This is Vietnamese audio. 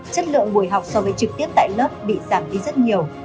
chất lượng buổi học so với trực tiếp tại lớp bị giảm đi rất nhiều